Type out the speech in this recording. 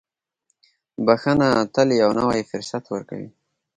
• بښنه تل یو نوی فرصت ورکوي.